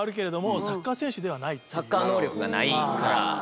サッカー能力がないから。